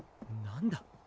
何だ？